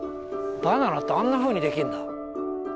バナナってあんなふうにできるんだ。